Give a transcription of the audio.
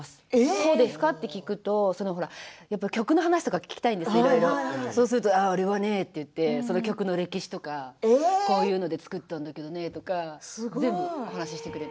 どうですか？って聞くとやっぱり曲の話とか聞きたいんです、いろいろそうすると、俺はねって言ってその曲の歴史とかこういうので作るんだってこういうので作ったんだけどねとか話してくれる。